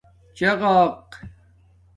چَغݳق